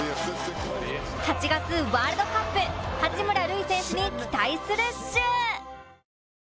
８月ワールドカップ八村塁選手に期待するっシュ！